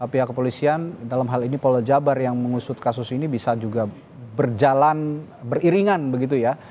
pihak kepolisian dalam hal ini polda jabar yang mengusut kasus ini bisa juga berjalan beriringan begitu ya